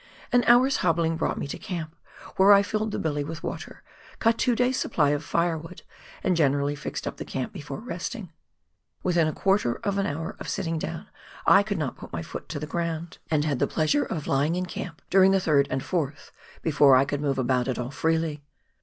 An hour's hobbling brought me to camp, where I filled the billy with water, cut two days' supply of firewood, and generally fixed up the camp before resting. Within a quarter of an hour of sitting down I could not put my foot to the ground, and had the COOK RIVER FOX GLACIER. 103 pleasure of lying in camp during the 3rd and 4tli, before I could move about at all freely.